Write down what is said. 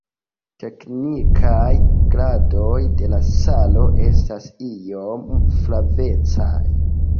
Teknikaj gradoj de la salo estas iom flavecaj.